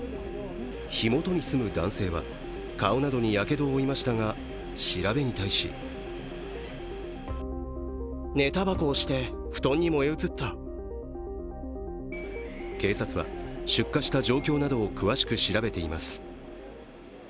火元に住む男性は顔などにやけどを負いましたが調べに対し警察は出火した状況などを詳しく調べています。